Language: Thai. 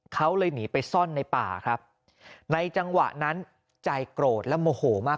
เขาเลยหนีไปซ่อนในป่าครับในจังหวะนั้นใจโกรธและโมโหมาก